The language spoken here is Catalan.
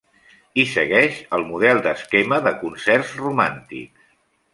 I segueix el model d'esquema de concerts romàntics.